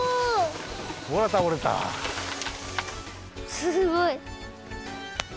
すごい。